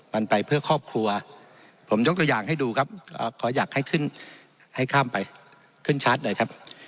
มันไปเพื่อครอบครัวผมยกตัวอย่างให้ดูครับขออยากให้ขึ้นให้ข้ามไปขึ้นชาร์จหน่อยครับ